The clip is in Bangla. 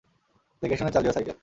দেখেশুনে চালিও সাইকেল।